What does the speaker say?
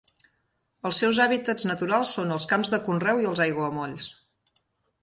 Els seus hàbitats naturals són els camps de conreu i els aiguamolls.